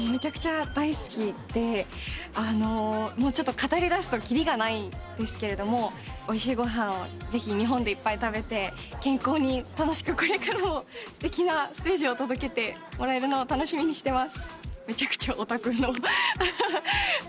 語りだすと切りがないんですけれどもおいしいご飯をぜひ日本でいっぱい食べて健康に楽しくこれからもすてきなステージを届けてもらえるのを楽しみにしてます。